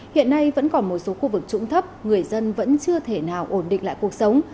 hiện nay vẫn còn một số khu vực trũng thấp người dân vẫn chưa thể nào ổn định lại cuộc sống